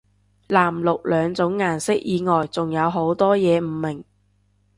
藍綠兩種顏色以外仲有好多嘢唔明